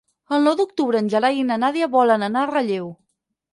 El nou d'octubre en Gerai i na Nàdia volen anar a Relleu.